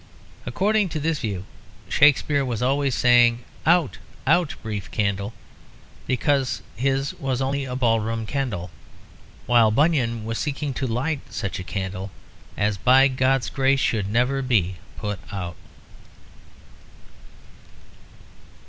According to this view Shakespeare was always saying, "Out, out, brief candle," because his was only a ballroom candle; while Bunyan was seeking to light such a candle as by God's grace should never be put out.